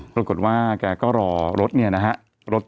ปรากฏว่าแกก็รอรถนี่นะครับ